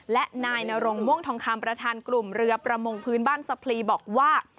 และนายนรงม่วงทองคำประธานกลุ่มเรือประมงพื้นบ้านสะพลีบอกว่า